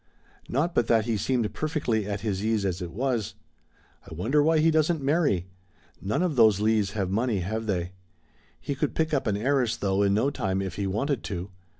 Not but that he seemed perfectly at his ease as it was. I wonder why he doesn't marry? None of those Leighs have money, have they? He could pick up an heiress, though, in no time, if he wanted to.